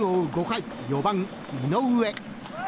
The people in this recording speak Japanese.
５回４番、井上。